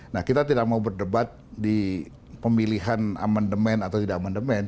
nah kita tidak mau berdebat di pemilihan amendement atau tidak amandemen